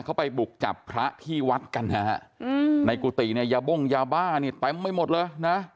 เขาไปบุกจับพระที่วัดกันนะฮะในกุฏิเนี่ยยาบ้งยาบ้านี่เต็มไปหมดเลยนะ